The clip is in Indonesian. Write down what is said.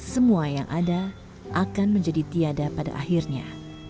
semua yang ada akan menjadi tiada pada akhirnya